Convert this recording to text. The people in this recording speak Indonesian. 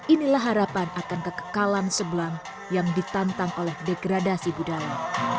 inilah harapan akan kekekalan sebelang yang ditantang oleh degradasi budaya